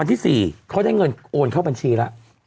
ที่๔เขาได้เงินโอนเข้าบัญชีแล้ว